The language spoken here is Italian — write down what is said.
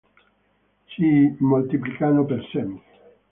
Si moltiplicano per semi.